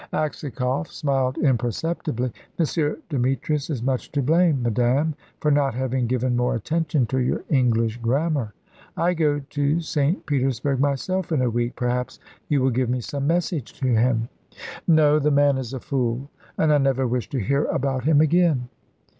Aksakoff smiled imperceptibly. "M. Demetrius is much to blame, madame, for not having given more attention to your English grammar. I go to St. Petersburg myself in a week. Perhaps you will give me some message to him." "No! The man is a fool, and I never wish to hear about him again."